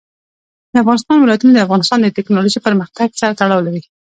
د افغانستان ولايتونه د افغانستان د تکنالوژۍ پرمختګ سره تړاو لري.